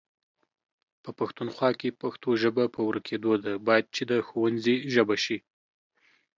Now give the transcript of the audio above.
په پښتونخوا کې پښتو ژبه په ورکيدو ده، بايد چې د ښونځي ژبه شي